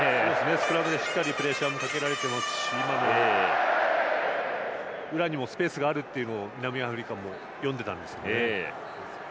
スクラムでしっかりプレッシャーもかけられてますし裏にもスペースがあると南アフリカも読んでたんですね。